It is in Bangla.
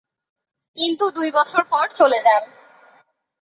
কিন্তু দুই বছর পর চলে যান।